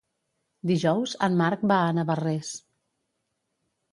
Dijous en Marc va a Navarrés.